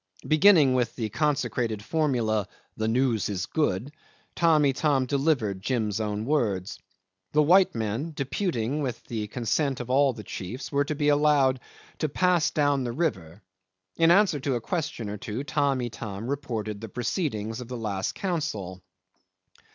Beginning with the consecrated formula, "The news is good," Tamb' Itam delivered Jim's own words. The white men, deputing with the consent of all the chiefs, were to be allowed to pass down the river. In answer to a question or two Tamb' Itam then reported the proceedings of the last council.